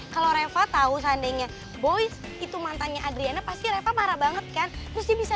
kalau reva tahu seandainya boys itu mantannya adriana pasti reva marah banget kan mesti bisa